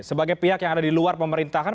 sebagai pihak yang ada di luar pemerintahan